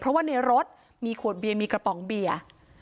เพราะว่าในรถมีขวดเบียร์มีกระป๋องเบียร์